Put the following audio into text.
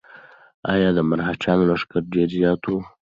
ایا د مرهټیانو لښکر ډېر زیات و؟